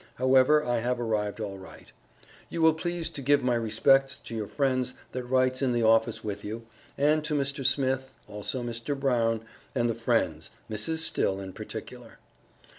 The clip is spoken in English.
However, I have arrived alright. You will please to give my respects to your friend that writes in the office with you, and to Mr Smith, also Mr Brown, and the friends, Mrs Still in particular.